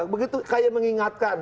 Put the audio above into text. begitu kayak mengingatkan